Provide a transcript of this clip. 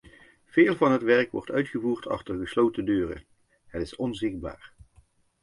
Veel van het werk wordt uitgevoerd achter gesloten deuren; het is onzichtbaar.